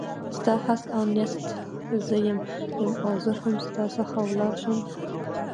ستا هست او نیست زه یم او زه هم ستا څخه ولاړه شم.